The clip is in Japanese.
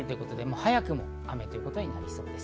早くも雨ということになりそうです。